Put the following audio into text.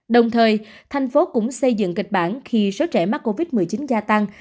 đồng thời thành phố cũng xây dựng kịch bản khi số trẻ mắc covid một mươi chín gia tăng